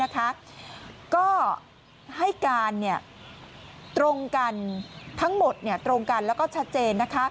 ก็ให้การตรงกันทั้งหมดตรงกันแล้วก็ชัดเจน